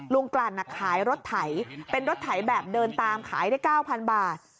ลุงกลั่นอ่ะขายรถไถเป็นรถไถแบบเดินตามขายได้เก้าพันบาท